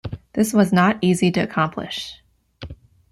This was not easy to accomplish.